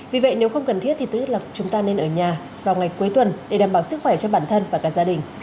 vì vậy nếu không cần thiết thì tôi biết là chúng ta nên ở nhà vào ngày cuối tuần để đảm bảo sức khỏe cho bản thân và cả gia đình